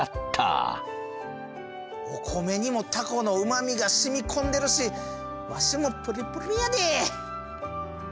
お米にもたこのうまみがしみ込んでるしわしもプリプリやで！